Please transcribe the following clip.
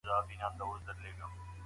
آیا ته په انټرنیټ کې کتابونه لوالې؟